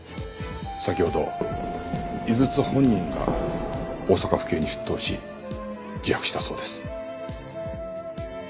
先ほど井筒本人が大阪府警に出頭し自白したそうです。